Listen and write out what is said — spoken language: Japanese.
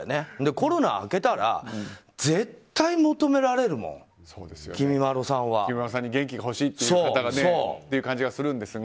コロナが明けたら絶対求められるもんきみまろさんから元気が欲しいっていう方がという感じがするんですが。